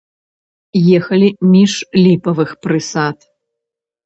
Ехалі між ліпавых прысад.